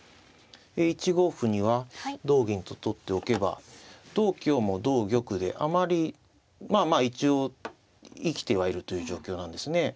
１五歩には同銀と取っておけば同香も同玉であまりまあまあ一応生きてはいるという状況なんですね。